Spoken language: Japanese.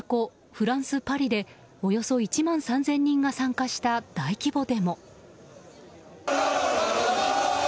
フランス・パリでおよそ１万３０００人が参加した大規模デモ。